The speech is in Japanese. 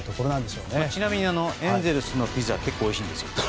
ちなみにエンゼルスのピザ結構おいしいんですよ。